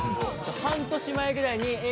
半年前ぐらいにＡぇ！